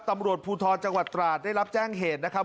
ตำรวจภูทรจังหวัดตราดได้รับแจ้งเหตุนะครับ